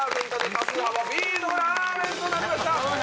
多数派はＢのラーメンとなりました！